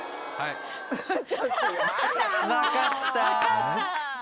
分かった！